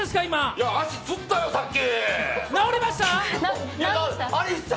いや、足つったよ、さっき！